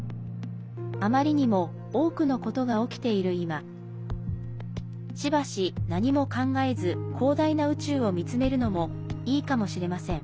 あまりにも多くのことが起きている今しばし、何も考えず広大な宇宙を見つめるのもいいかもしれません。